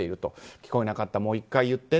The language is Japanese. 聞こえなかったもう１回言って。